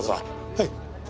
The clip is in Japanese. はい。